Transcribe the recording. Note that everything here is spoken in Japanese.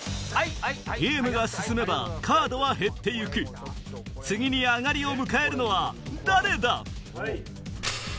ゲームが進めばカードは減ってゆく次に上がりを迎えるのは誰だ？